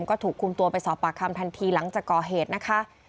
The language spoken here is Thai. ก็ถูกคุมตัวไปสอบปากคำทันทีหลังจากก่อเหตุนะคะ